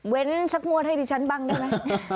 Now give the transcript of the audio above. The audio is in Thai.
สักงวดให้ดิฉันบ้างได้ไหม